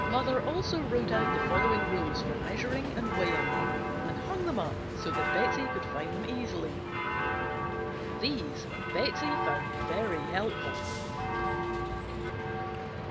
Mother also wrote out the following rules for measuring and weighing and hung them up so that Betsey could find them easily. These Betsey found very helpful.